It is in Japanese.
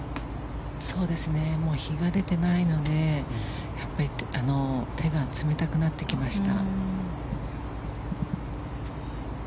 もう日が出ていないので手が冷たくなってきました。